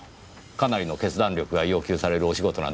かなりの決断力が要求されるお仕事なんでしょうねぇ。